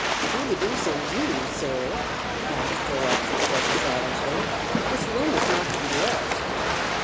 " Who the deuce are you, sir ?" asks Alexis, rather savagely. " This room is not to be let."